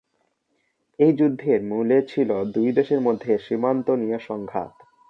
এই যুদ্ধের মূলে ছিল দুই দেশের মধ্যে সীমান্ত নিয়ে সংঘাত।